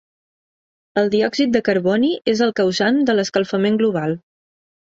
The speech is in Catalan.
El diòxid de carboni és el causant de l'escalfament global.